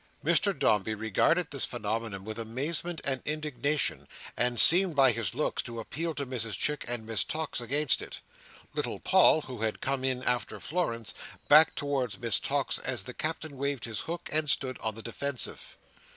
Mr Dombey regarded this phenomenon with amazement and indignation, and seemed by his looks to appeal to Mrs Chick and Miss Tox against it. Little Paul, who had come in after Florence, backed towards Miss Tox as the Captain waved his hook, and stood on the defensive.